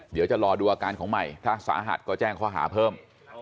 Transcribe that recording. เดี๋ยวจะรอดูอาการของใหม่ถ้าสาหัสก็แจ้งข้อหาเพิ่ม